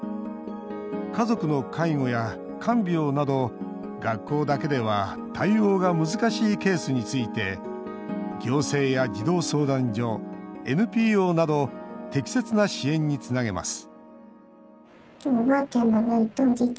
家族の介護や看病など学校だけでは対応が難しいケースについて行政や児童相談所、ＮＰＯなど適切な支援につなげます